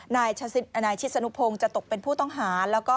นายชิศนุพงศ์จะตกเป็นผู้ต้องหา